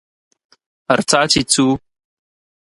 ارڅه چې څو